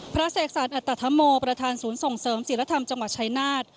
พระศกษัตริย์อัตธมโมประทานศูนย์ส่งเสริมศิลธรรมจังหวัดชายนาฏ